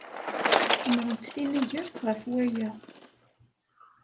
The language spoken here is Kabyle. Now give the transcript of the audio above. Qemmrent tinigert ɣef waya.